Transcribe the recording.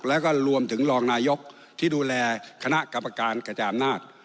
แล้วก็รวมถึงรองนายกที่ดูแลคณะกรรมการกระจายอำนาจ